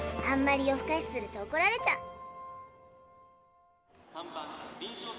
あんまり夜ふかしするとおこられちゃう。